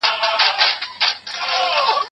د لاس لیکنه د احساساتو د پیاوړتیا لاره ده.